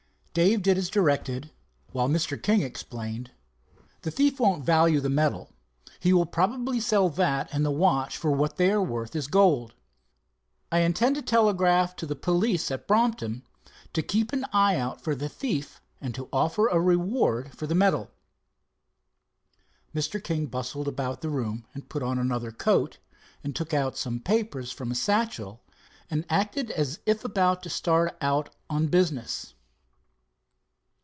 Dave did as directed, while Mr. King explained: "The thief won't value the medal. He will probably sell that and the watch for what they are worth as gold. I intend to telegraph to the police at Brompton to keep an eye out for the thief and to offer a reward for the medal." Mr. King bustled about the room, and put on another coat and took some papers from a satchel, and acted as if about to start out on business.